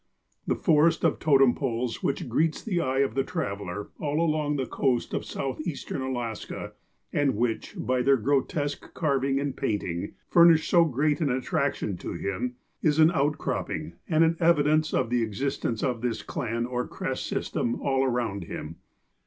The forest of totem poles which greets the eye of the traveller all along the coast of Southeastern Alaska, and which, by their grotesque carving and painting, furnish so great an attraction to him, is an outcropping and an evidence of the existence of this clan or crest system all around him.